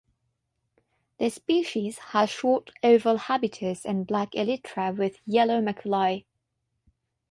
The species has short oval habitus and black elytra with yellow maculae.